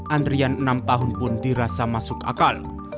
antrian enam tahun pun dirasa masuk akal